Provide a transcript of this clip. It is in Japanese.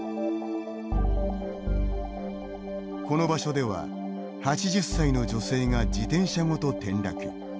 この場所では８０歳の女性が自転車ごと転落。